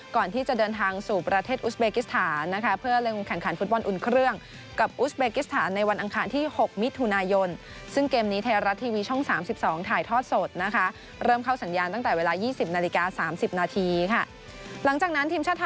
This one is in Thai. ก่อนที่จะเดินทางสู่ประเทศอุสเบกิสถานนะคะเพื่อเริ่มแข่งขันฟุตบอลอุ่นเครื่องกับอุสเบกิสถานในวันอังคารที่๖มิตรฮุนายน